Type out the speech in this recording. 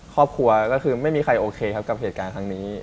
ขอบคุณก็คือไม่มีใครโอเคให้สิ่งนี้